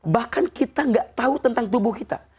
bahkan kita gak tahu tentang tubuh kita